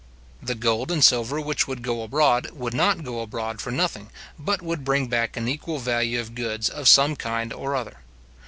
The gold and silver which would go abroad would not go abroad for nothing, but would bring back an equal value of goods of some kind or other.